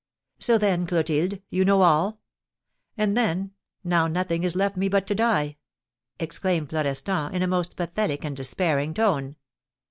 "So then, Clotilde, you know all? Ah, then, now nothing is left me but to die!" exclaimed Florestan, in a most pathetic and despairing tone.